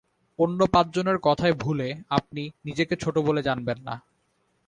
অন্য পাঁচজনের কথায় ভুলে আপনি নিজেকে ছোটো বলে জানবেন না।